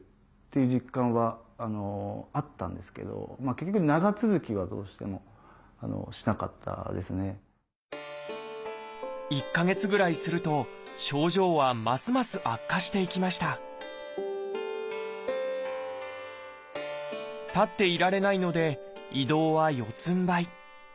ところが１か月ぐらいすると症状はますます悪化していきました立っていられないので移動は四つんばい。